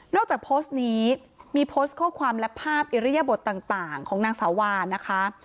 จากโพสต์นี้มีโพสต์ข้อความและภาพอิริยบทต่างของนางสาวานะคะ